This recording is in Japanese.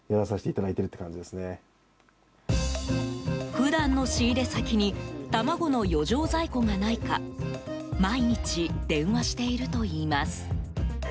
普段の仕入れ先に卵の余剰在庫がないか毎日、電話しているといいます。